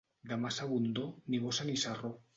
De massa abundor, ni bossa ni sarró.